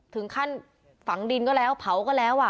ถึงขั้นฝังดินก็แล้วเผาก็แล้ว